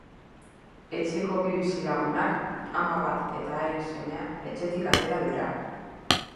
Etxeko bi bizilagunak, ama bat eta haren semea, etxetik atera dira.